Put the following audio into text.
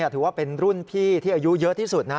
ถือว่าเป็นรุ่นพี่ที่อายุเยอะที่สุดนะ